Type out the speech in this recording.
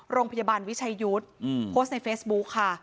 โรงพยาบาลวิชัยยุทธ์โพสต์ในเฟซบุ๊คค่ะ